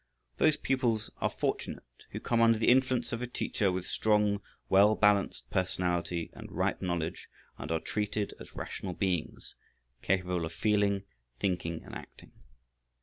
Those pupils are fortunate who come under the influence of a teacher with strong, well balanced personality and ripe knowledge, and are treated as rational beings, capable of feeling, thinking and acting.